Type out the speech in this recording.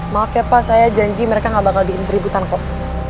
maaf ya pak saya janji mereka gak bakal diin keributan kok